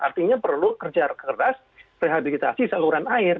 artinya perlu kerja keras rehabilitasi saluran air